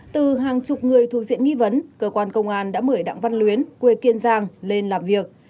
từ hàng chục người thuộc diện nghi vấn cơ quan công an đã mời đặng văn luyến quê kiên giang lên làm việc